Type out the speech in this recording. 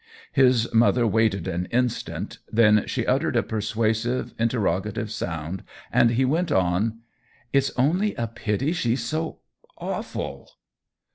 His mother waited an instant, then she uttered a persuasive, interrogative sound, and he went on :" It's only a pity she's so awful